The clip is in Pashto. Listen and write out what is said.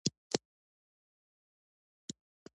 د مرکز استاد، ښاغلي عبدالخالق رشید په وینا: